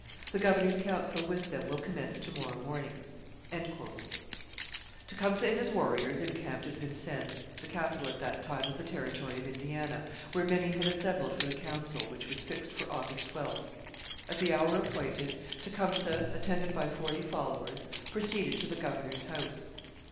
The governor's council with them will commence to morrow morning. Tecumseh and his warriors encamped at Vincennes, the capital at that time of the territory of Indiana, where many had assembled for the council, which was fixed for August 12. At the hour appointed Tecumseh, attended by forty followers, proceeded to the governor's house.